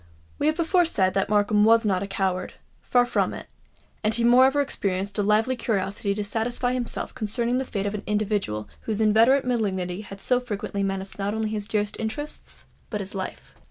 We have before said that Markham was not a coward—far from it; and he moreover experienced a lively curiosity to satisfy himself concerning the fate of an individual whose inveterate malignity had so frequently menaced not only his dearest interests, but his life.